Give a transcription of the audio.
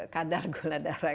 kadar gula darah